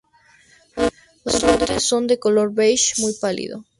Los brotes son de un color beige muy pálido.